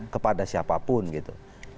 kepada siapapun gitu